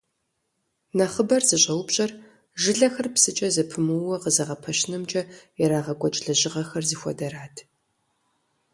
Нэхъыбэр зыщӀэупщӀэр жылэхэр псыкӀэ зэпымыууэ къызэгъэпэщынымкӀэ ирагъэкӀуэкӀ лэжьыгъэхэр зыхуэдэрат.